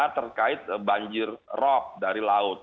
terkait banjir rop dari laut